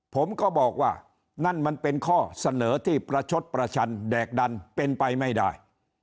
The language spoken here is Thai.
ผมก็บอกว่านั่นมันเป็นข้อเสนอที่ประชดประชันแดกดันเป็นไปไม่ได้